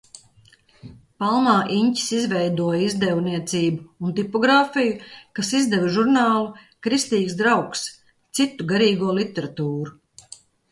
"Palmā Iņķis izveidoja izdevniecību un tipogrāfiju, kas izdeva žurnālu "Kristīgs Draugs", citu garīgo literatūru."